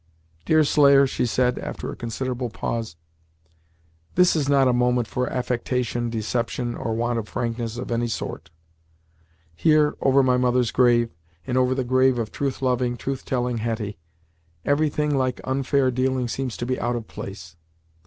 "Deerslayer," she said, after a considerable pause, "this is not a moment for affectation, deception, or a want of frankness of any sort. Here, over my mother's grave, and over the grave of truth loving, truth telling Hetty, everything like unfair dealing seems to be out of place.